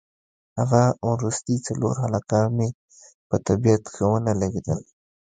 هغه وروستي څلور هلکان مې په طبیعت ښه نه لګېدل.